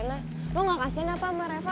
kalo ada asin apa sama reva